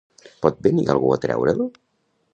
Pot venir algú a treure'l?